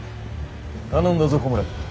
頼んだぞ小村。